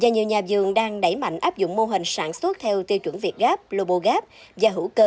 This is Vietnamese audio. và nhiều nhà vườn đang đẩy mạnh áp dụng mô hình sản xuất theo tiêu chuẩn việt gáp lobo gáp và hữu cơ